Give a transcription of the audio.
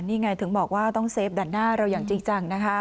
นี่ไงถึงบอกว่าต้องเซฟด้านหน้าเราอย่างจริงจังนะคะ